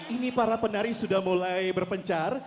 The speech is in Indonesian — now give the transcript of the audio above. ini para penari sudah mulai berpencar